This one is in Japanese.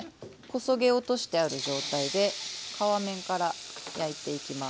こそげ落としてある状態で皮面から焼いていきます。